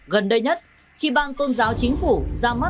gần đây nhất khi bang tôn giáo chính phủ ra mắt sách trắng tôn giáo